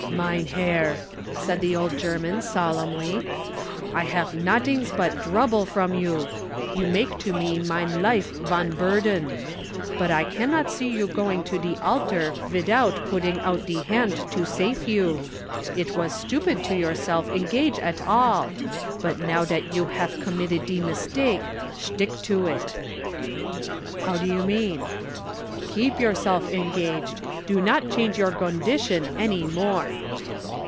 "Mein herr," said the old German solemnly, "I haf nodings but drouble from you. You make to me mein life von burden. But I cannot see you going to de altar widout putting out de hand to safe you. It was stupid to yourself engage at all but, now dat you haf committed de mistake, shtick to it!" "How do you mean?" "Keep yourself engaged. Do not change your gondition any more."